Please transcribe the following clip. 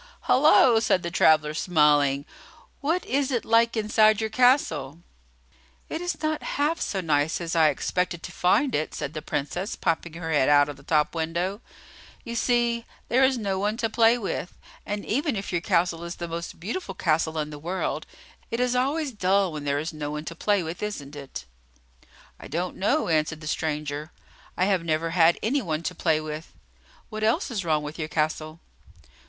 "Hullo!" said the traveller, smiling. "What is it like inside your castle?" "It is not half so nice as I expected to find it," said the Princess, popping her head out of the top window. "You see, there is no one to play with; and even if your castle is the most beautiful castle in the world, it is always dull when there is no one to play with, isn't it?" "I don't know," answered the stranger; "I have never had any one to play with. What else is wrong with your castle?"